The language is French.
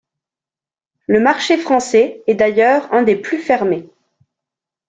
Le marché français est d'ailleurs un des plus fermés.